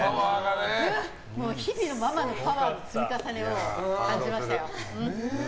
日々のママのパワーの積み重ねを感じましたよ。